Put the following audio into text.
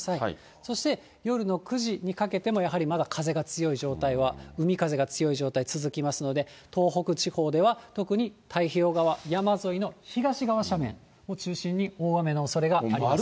そして夜の９時にかけても、まだ風の強い状態は、海風の強い状態が続きますので、東北地方では、特に太平洋側、山沿いの東側斜面を中心に大雨のおそれがあります。